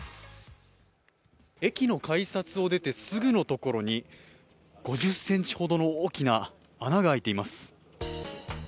駅の改札を出てすぐのところに５０ｃｍほどの大きな穴が開いています。